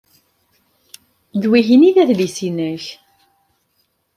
D wihin ay d adlis-nnek.